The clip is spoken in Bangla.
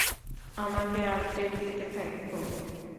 আমাকে আপডেট দিতে থেকো।